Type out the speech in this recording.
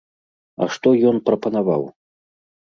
А што ён прапанаваў?